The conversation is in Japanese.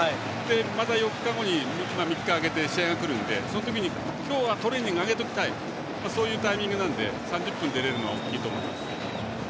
また４日後に３日空けて試合があるのでその時に、今日はトレーニング上げておきたいそういうタイミングなので３０分出れるのは大きいと思います。